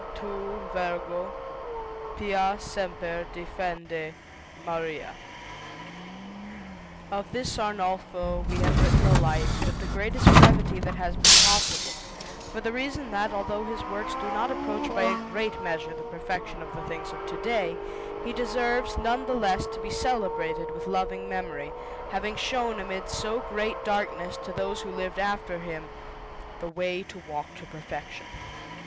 TU . VIRGO . PIA . SEMPER . DEFENDE . MARIA . Of this Arnolfo we have written the Life, with the greatest brevity that has been possible, for the reason that, although his works do not approach by a great measure the perfection of the things of to day, he deserves, none the less, to be celebrated with loving memory, having shown amid so great darkness, to those who lived after him, the way to walk to perfection.